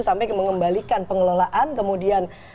sampai mengembalikan pengelolaan kemudian